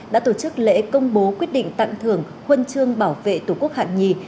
đã tổ chức lễ công bố quyết định tặng thưởng huân chương bảo vệ tổ quốc hạng nhì